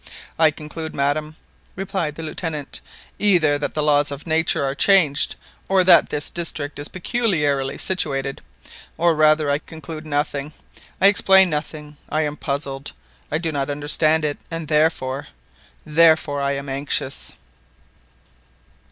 "I conclude madam," replied the Lieutenant, "either that the laws of nature are changed, or that this district is very peculiarly situated ... or rather ... I conclude nothing ... I explain nothing ... I am puzzled. .. I do not understand it; and therefore ... therefore I am anxious."